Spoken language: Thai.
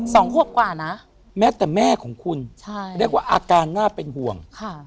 สองขวบกว่านะแม้แต่แม่ของคุณใช่เรียกว่าอาการน่าเป็นห่วงค่ะ